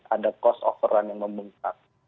ada cost of run yang membengkak